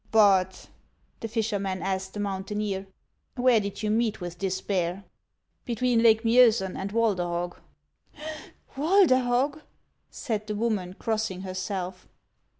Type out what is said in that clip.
" But/' the fisherman asked the mountaineer, " where did you meet with this bear ?"" Between Lake Miosen and Walderhog." " Walderhog !" said the woman, crossing herself.